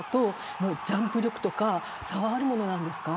ジャンプ力とか差があるものなんですか。